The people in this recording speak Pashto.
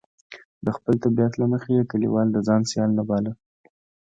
د خپل طبیعت له مخې یې کلیوال د ځان سیال نه باله.